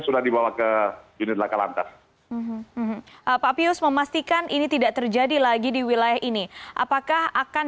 sudah dibawa ke unit lakalantas papius memastikan ini tidak terjadi lagi di wilayah ini apakah akan